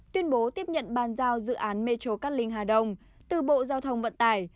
tuyên bố tiếp nhận ban giao dự án mê châu cát linh hà đông từ bộ giao thông vận tải